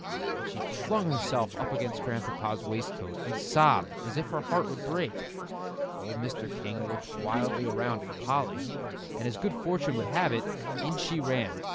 And she flung herself up against Grandpapa's waistcoat, and sobbed as if her heart would break. Old Mr. King looked wildly around for Polly. And as good fortune would have it, in she ran.